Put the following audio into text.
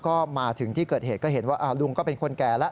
ก็มาถึงที่เกิดเหตุก็เห็นว่าลุงก็เป็นคนแก่แล้ว